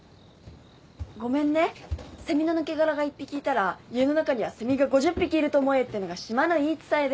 ごめんねセミの抜け殻が１匹いたら家の中にはセミが５０匹いると思えってのが島の言い伝えで。